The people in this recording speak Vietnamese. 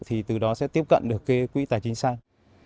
thì từ đó sẽ tiếp cận được cái quỹ tài chính xanh